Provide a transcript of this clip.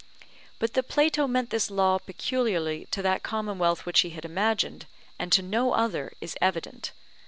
But that Plato meant this law peculiarly to that commonwealth which he had imagined, and to no other, is evident.